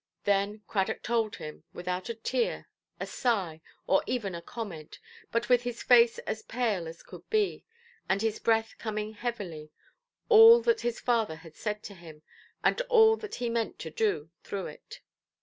Then Cradock told him, without a tear, a sigh, or even a comment, but with his face as pale as could be, and his breath coming heavily, all that his father had said to him, and all that he meant to do through it.